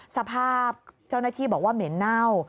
สภาพเจ้าหน้าที่บอกว่าเหม็นเน่า